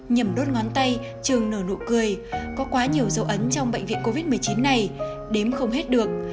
nhầm đốt ngón tay chừng nở nụ cười có quá nhiều dấu ấn trong bệnh viện covid một mươi chín này đếm không hết được